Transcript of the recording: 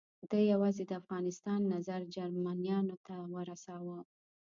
ده یوازې د افغانستان نظر جرمنیانو ته ورساوه.